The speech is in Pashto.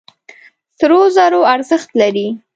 سرو زرو ارزښت لري.